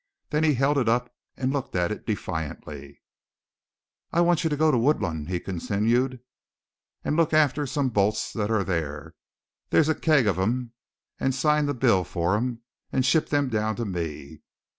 Then he held it up and looked at it defiantly. "I want ye to go to Woodlawn," he continued, "and look after some bolts that arre theyer there's a keg av thim an' sign the bill fer thim, an' ship thim down to me.